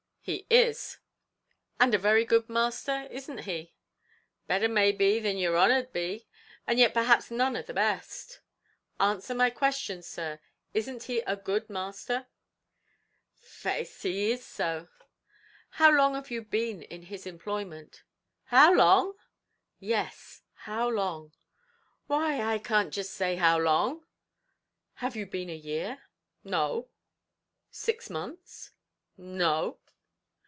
"He is." "And a very good master isn't he?" "Betther, maybe, than yer honour'd be, and yet perhaps none of the best." "Answer my questions, sir; isn't he a good master?" "Faix, he is so." "How long have you been in his employment?" "How long!" "Yes, how long?" "Why, I can't jist say how long." "Have you been a year?" "No." "Six months?" "No."